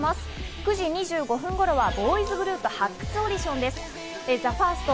９時２５分頃からはボーイズグループ発掘オーディション、ＴＨＥＦＩＲＳＴです。